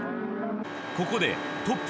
ここでトップ